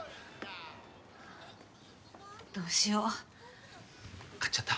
どうしよう買っちゃった？